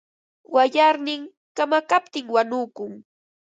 Wayarnin kamakaptin wanukun.